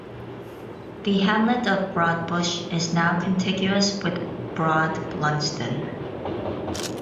The hamlet of Broadbush is now contiguous with Broad Blunsdon.